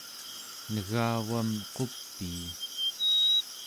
negavam qupii